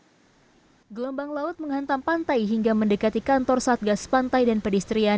hai gelombang laut menghentam pantai hingga mendekati kantor satgas pantai dan pedistrian